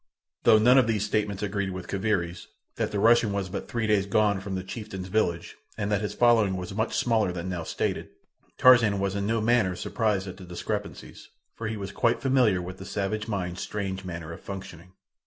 Though none of these statements agreed with Kaviri's, that the Russian was but three days gone from the chieftain's village and that his following was much smaller than now stated, Tarzan was in no manner surprised at the discrepancies, for he was quite familiar with the savage mind's strange manner of functioning.